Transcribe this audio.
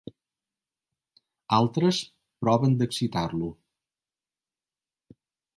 Altres proven d'excitar-lo.